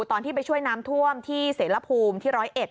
ตอนที่ไปช่วยน้ำท่วมที่เสรภูมิที่๑๐๑